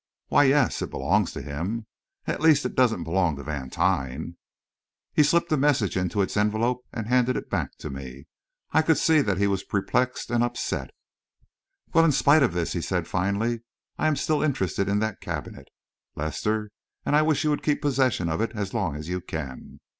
"Why, yes, it belongs to him. At least, it doesn't belong to Vantine." He slipped the message into its envelope and handed it back to me. I could see that he was perplexed and upset. "Well, in spite of this," he said finally, "I am still interested in that cabinet, Lester, and I wish you would keep possession of it as long as you can.